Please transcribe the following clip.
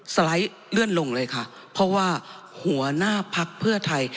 สไลด์เลื่อนลงเลยค่ะเพราะว่าหัวหน้าพักเพื่อไทย